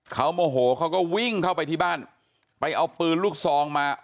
เขาโมโหเขาก็วิ่งเข้าไปที่บ้านไปเอาปืนลูกซองมา